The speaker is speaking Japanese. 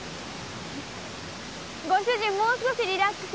ご主人もう少しリラックス。